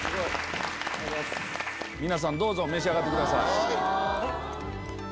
皆さんどうぞ召し上がってください。